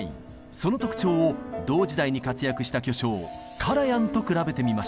その特徴を同時代に活躍した巨匠カラヤンと比べてみましょう。